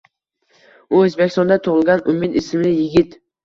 U O'zbekistonda tug'ilgan Umid ismli yigit